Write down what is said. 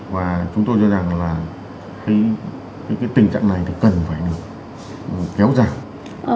và chúng tôi cho rằng là cái tình trạng này thì cần phải được kéo giảm